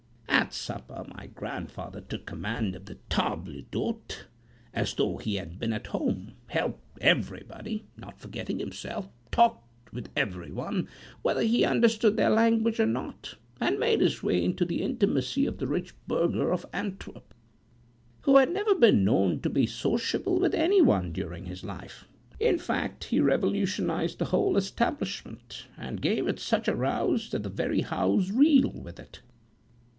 "At supper my grandfather took command of the table d'hôte as though he had been at home; helped everybody, not forgetting himself; talked with every one, whether he understood their language or not; and made his way into the intimacy of the rich burgher of Antwerp, who had never been known to be sociable with any one during his life. In fact, he revolutionized the whole establishment, and gave it such a rouse, that the very house reeled with it.